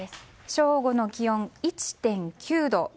正午の気温、１．９度。